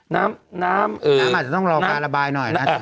น้ำอาจจะต้องรอการระบายหน่อย